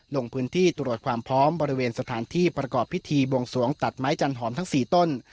ลงพื้นที่ตรวจความพร้อมบริเวณสถานที่ประกอบพิธีบวงสวงตัดไม้จันหอมทั้ง๔ต้น